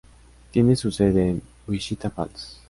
Tiene su sede en Wichita Falls.